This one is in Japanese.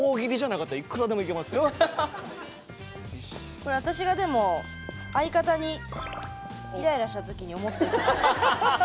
これ私がでも相方にイライラした時に思ったことを。